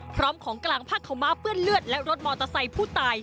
พร้อมของกลางผ้าขาวม้าเปื้อนเลือดและรถมอเตอร์ไซค์ผู้ตาย